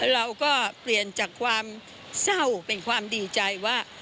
เราก็เปลี่ยนจากความเศร้าเป็นความดีใจว่า